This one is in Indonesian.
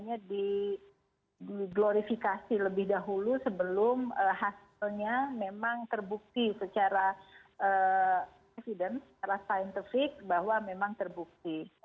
jadi lebih dahulu sebelum hasilnya memang terbukti secara evidence secara scientific bahwa memang terbukti